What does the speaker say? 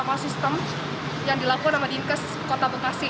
sama sistem yang dilakukan sama dinkes kota bekasi